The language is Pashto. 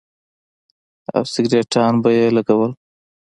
او سگرټيان به يې لگول.